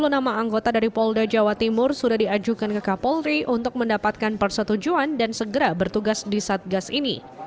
sepuluh nama anggota dari polda jawa timur sudah diajukan ke kapolri untuk mendapatkan persetujuan dan segera bertugas di satgas ini